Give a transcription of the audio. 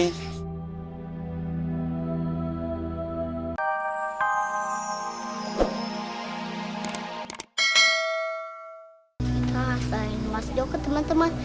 kita asalin mas joko temen temen